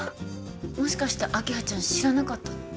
もしかして明葉ちゃん知らなかったの？